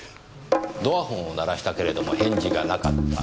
ドアホンを鳴らしたけれども返事がなかった。